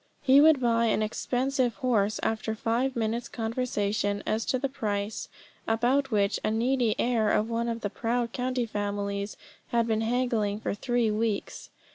He would buy an expensive horse after five minutes' conversation as to the price, about which a needy heir of one of the proud county families had been haggling for three weeks.